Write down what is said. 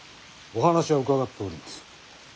お話は伺っております。